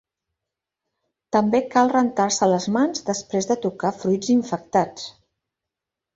També cal rentar-se les mans després de tocar fruits infectats.